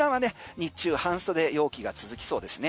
日中、半袖陽気が続きそうです。